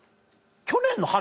去年の春？